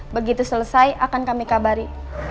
begitu selesai akan kami kabari